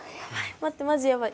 待ってマジやばい。